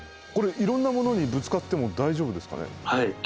これいろんなものにぶつかっても大丈夫ですかね。